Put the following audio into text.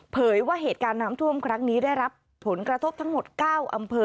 ว่าเหตุการณ์น้ำท่วมครั้งนี้ได้รับผลกระทบทั้งหมด๙อำเภอ